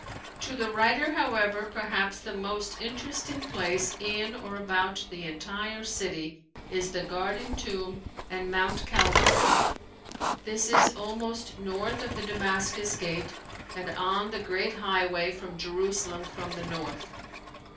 To the writer, however, perhaps the most interesting place in or about the entire city is the Garden Tomb and Mount Calvary. This is almost north of the Damascus gate and on the great highway from Jerusalem from the north.